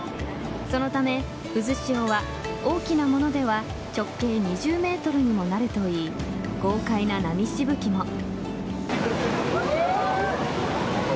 そのため渦潮は、大きなものでは直径２０ｍにもなるといい豪快な波しぶきも。